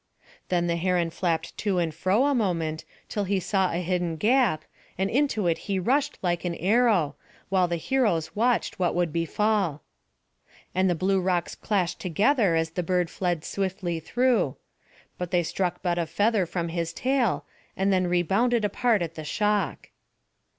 Then the heron flapped to and fro a moment, till he saw a hidden gap, and into it he rushed like an arrow, while the heroes watched what would befall. And the blue rocks clashed together as the bird fled swiftly through; but they struck but a feather from his tail, and then rebounded apart at the shock.